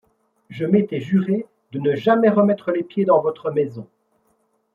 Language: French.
Je m'étais juré de ne jamais remettre les pieds dans votre maison.